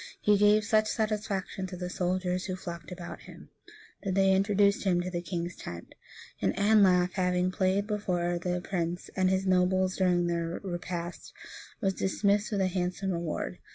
He gave such satisfaction to the soldiers, who flocked about him, that they introduced him to the king's tent; and Anlaf, having played before that prince and his nobles during their repast, was dismissed with a handsome reward.